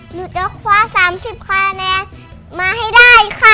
หนูจะคว้า๓๐คะแนนมาให้ได้ค่ะ